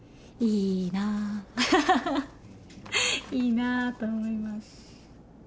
いいなと思います。